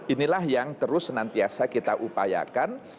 inilah yang terus senantiasa kita upayakan